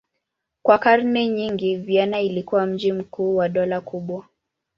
Kwa karne nyingi Vienna ilikuwa mji mkuu wa dola kubwa.